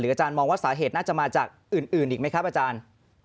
อาจารย์มองว่าสาเหตุน่าจะมาจากอื่นอีกไหมครับอาจารย์